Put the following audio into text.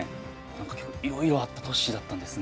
何かいろいろあった年だったんですね。